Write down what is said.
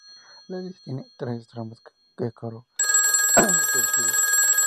La iglesia tiene tres tramos y coro alto a los pies.